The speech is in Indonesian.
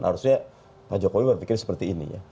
harusnya pak jokowi berpikir seperti ini ya